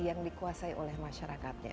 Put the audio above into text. yang dikuasai oleh masyarakatnya